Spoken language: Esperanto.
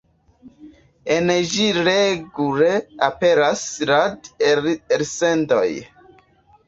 En ĝi regule aperas radi-elsendoj.